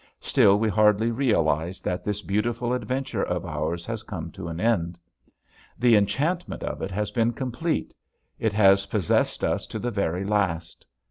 Still we hardly realize that this beautiful adventure of ours has come to an end. The enchantment of it has been complete; it has possessed us to the very last.